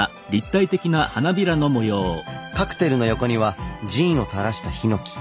カクテルの横にはジンをたらしたヒノキ。